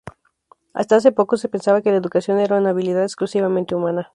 Hasta hace poco, se pensaba que la educación era una habilidad exclusivamente humana.